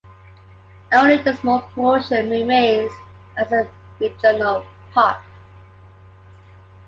Only a small portion remains as the regional park.